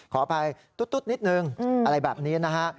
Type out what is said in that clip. ขออภัยตุ๊ดนิดนึงอะไรแบบนี้นะฮะ